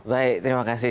baik terima kasih